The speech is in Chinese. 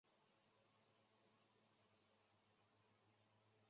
桥街碘泡虫为碘泡科碘泡虫属的动物。